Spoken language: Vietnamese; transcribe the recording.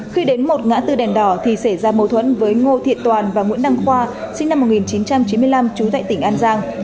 khi đến một ngã tư đèn đỏ thì xảy ra mâu thuẫn với ngô thiện toàn và nguyễn đăng khoa sinh năm một nghìn chín trăm chín mươi năm trú tại tỉnh an giang